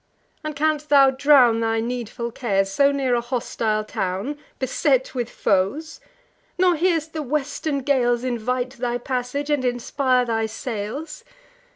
and canst thou drown Thy needful cares, so near a hostile town, Beset with foes; nor hear'st the western gales Invite thy passage, and inspire thy sails?